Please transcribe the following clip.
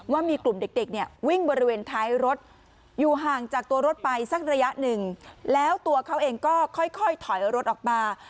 ว่ามีกลุ่มเด็กเนี่ยวิ่งบริเวณท้ายรถอยู่ห่างจากตัวรถไปสักระยะหนึ่งแล้วตัวเขาเองก็ค่อยถอยรถออกมา